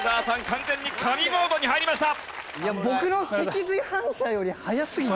完全に神モードに入りました！